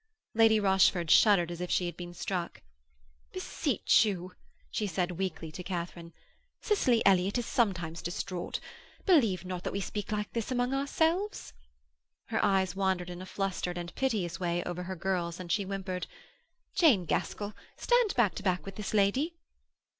Lady Rochford shuddered as if she had been struck. 'Beseech you,' she said weakly to Katharine. 'Cicely Elliott is sometimes distraught. Believe not that we speak like this among ourselves.' Her eyes wandered in a flustered and piteous way over her girls and she whimpered, 'Jane Gaskell, stand back to back with this lady.'